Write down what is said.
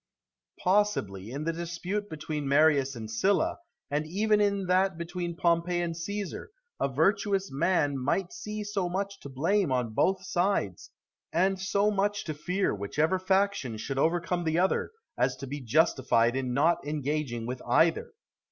Brutus. Possibly, in the dispute between Marius and Sylla, and even in that between Pompey and Caesar, a virtuous man might see so much to blame on both sides, and so much to fear, whichever faction should overcome the other, as to be justified in not engaging with either.